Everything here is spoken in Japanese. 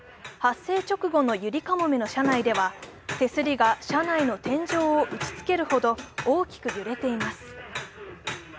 発生直後のゆりかもめの車内では、手すりが車内の天井を打ちつけるほど大きく揺れています。